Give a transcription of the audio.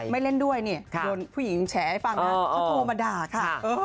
ไม่เล่นด้วยนี่โดนผู้หญิงแฉให้ฟังนะเขาโทรมาด่าค่ะ